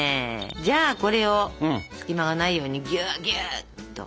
じゃあこれを隙間がないようにぎゅうぎゅうっと。